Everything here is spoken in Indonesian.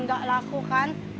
nggak laku kan